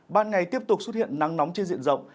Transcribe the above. ban ngày tiếp tục xuất hiện nắng nóng trên diện rộng